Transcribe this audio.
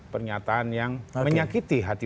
pernyataan yang menyakiti hati